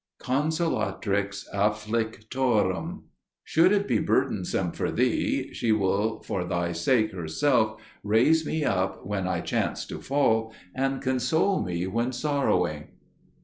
"Consolatrix Afflictorum" "Should it be burdensome for thee ... she will for thy sake herself raise me up when I chance to fall, and console me when sorrowing."